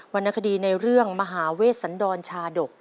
รณคดีในเรื่องมหาเวชสันดรชาดก